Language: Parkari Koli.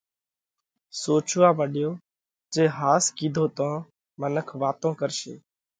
سوچوا مڏيو جي ۿاس ڪِيڌو تو منک واتون ڪرشي